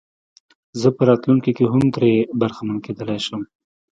زه په راتلونکي کې هم ترې برخمن کېدلای شم.